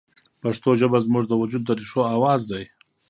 پښتو ژبه زموږ د وجود د ریښو اواز دی